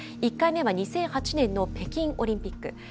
１回目は２００８年の北京オリンピック。